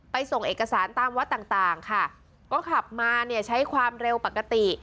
ส่งเอกสารตามวัดต่างต่างค่ะก็ขับมาเนี่ยใช้ความเร็วปกติ